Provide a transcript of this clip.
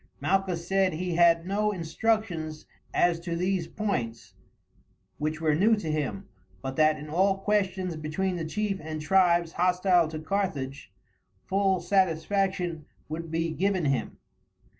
Malchus said he had no instructions as to these points, which were new to him, but that in all questions between the chief and tribes hostile to Carthage, full satisfaction would be given him.